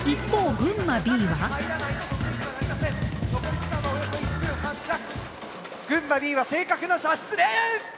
群馬Ｂは正確な射出えっと！